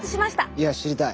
いや知りたい。